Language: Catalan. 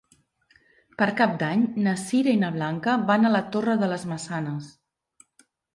Per Cap d'Any na Sira i na Blanca van a la Torre de les Maçanes.